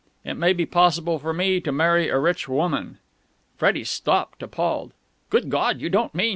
It may be possible for me to marry a rich woman." Freddie stopped, appalled. "Good God! You don't mean